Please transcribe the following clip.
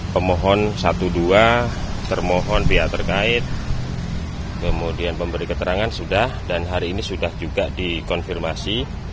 pemohon satu dua termohon pihak terkait kemudian pemberi keterangan sudah dan hari ini sudah juga dikonfirmasi